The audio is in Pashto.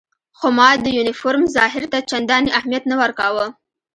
خو ما د یونیفورم ظاهر ته چندانې اهمیت نه ورکاوه.